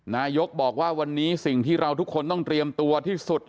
นายกบอกว่าวันนี้สิ่งที่เราทุกคนต้องเตรียมตัวที่สุด